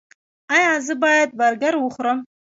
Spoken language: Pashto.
ایا زه باید برګر وخورم؟